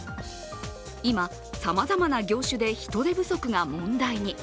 今、さまざまな業種で人手不足が問題に。